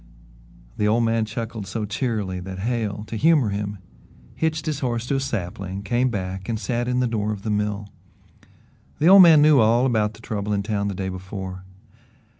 The old man chuckled so cheerily that Hale, to humour him, hitched his horse to a sapling, came back and sat in the door of the mill. The old man knew all about the trouble in town the day before.